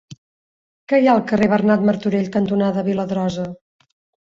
Què hi ha al carrer Bernat Martorell cantonada Viladrosa?